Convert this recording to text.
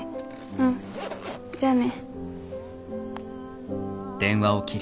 うんじゃあね。